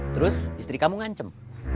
terus istri kamu ngancem